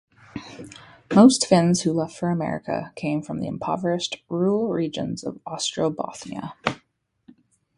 Most Finns who left for America came from the impoverished rural regions of Ostrobothnia.